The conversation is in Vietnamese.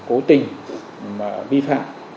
cố tình vi phạm